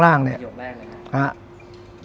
หลังจากส่วนใหญ่